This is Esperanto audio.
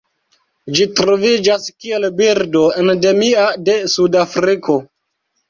Ĝi troviĝas kiel birdo endemia de Sudafriko.